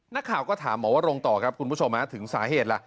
นักข่าวก็ถามหมอวรงต่อครับคุณผู้ชมถึงสาเหตุล่ะ